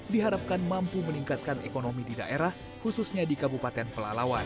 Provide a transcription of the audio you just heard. diharapkan mampu meningkatkan ekonomi di daerah khususnya di kabupaten pelalawan